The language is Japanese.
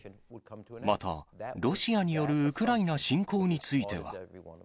また、ロシアによるウクライナ侵攻については。